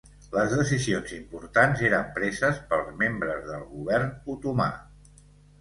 Les decisions importants eren preses pels membres del govern otomà.